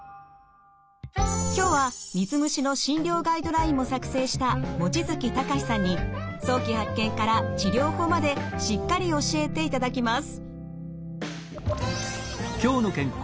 今日は水虫の診療ガイドラインも作成した望月隆さんに早期発見から治療法までしっかり教えていただきます。